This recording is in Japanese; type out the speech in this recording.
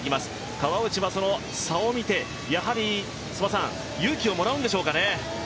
川内はその差を見て、勇気をもらうんでしょうかね。